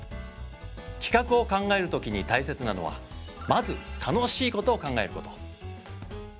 企画を考えるときにたいせつなのはまず楽しいことを考えること。